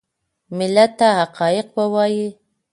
ملت ته حقایق ووایي .